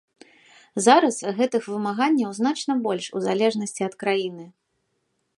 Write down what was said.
Зараз гэтых вымаганняў значна больш, у залежнасці ад краіны.